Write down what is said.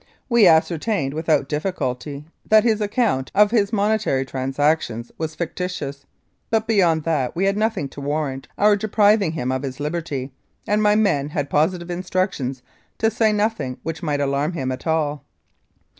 We ascertained without difficulty that his account of his monetary transactions was fictitious; but beyond that we had nothing to warrant our depriving him of his liberty, and my men had posi tive instructions to say nothing which might alarm him at all.